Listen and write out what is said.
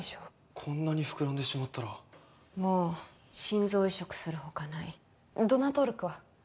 こんなに膨らんでしまったらもう心臓移植するほかないドナー登録は？